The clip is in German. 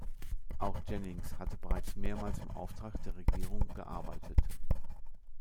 Auch Jennings hatte bereits mehrmals im Auftrag der Regierung gearbeitet.